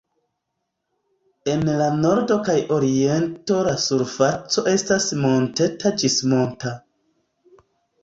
En la nordo kaj oriento la surfaco estas monteta ĝis monta.